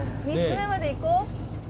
３つ目まで行こう。